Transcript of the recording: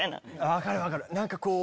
分かる分かる何かこう。